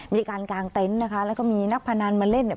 มีการกางเต็นต์นะคะแล้วก็มีนักพนันมาเล่นเนี่ย